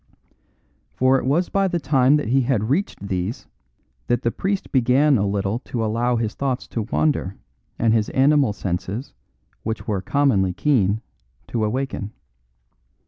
For it was by the time that he had reached these that the priest began a little to allow his thoughts to wander and his animal senses, which were commonly keen, to awaken.